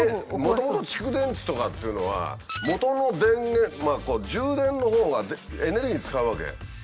もともと蓄電池とかっていうのはもとの電源充電のほうがエネルギー使うわけ。